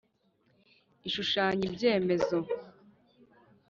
Ishushanya ibyemezo